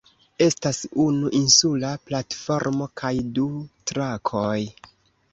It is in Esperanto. Estas unu insula platformo kaj du trakoj.